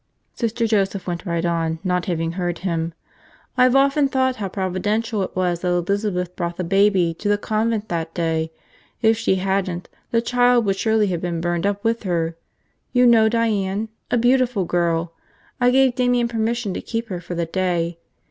Sister Joseph went right on, not having heard him. "I've often thought how providential it was that Elizabeth brought the baby to the convent that day. If she hadn't, the child would surely have been burned up with her. You know Diane? A beautiful girl. I gave Damian permission to keep her for the day.